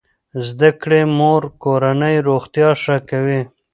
زده کړې مور کورنۍ روغتیا ښه کوي.